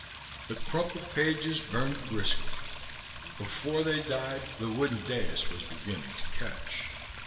The crumpled pages burned briskly. Before they died the wooden dais was beginning to catch.